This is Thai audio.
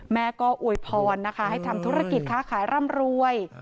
แม่ก็อวยพรนะคะให้ทำธุรกิจค้าขายร่ำรวย